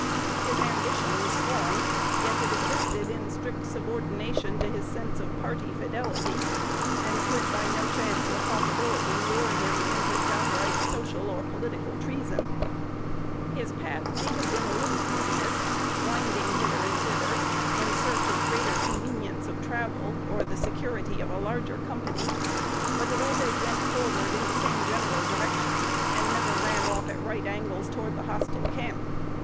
His ambition was strong; yet it existed in strict subordination to his sense of party fidelity, and could by no chance or possibility lure him into downright social or political treasons. His path may have been a little devious, winding hither and thither, in search of greater convenience of travel, or the security of a larger company; but it always went forward in the same general direction, and never ran off at right angles toward a hostile camp.